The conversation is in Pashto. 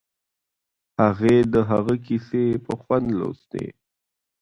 هغې د هغه کیسې په خوند لوستې